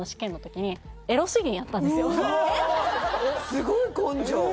すごい根性！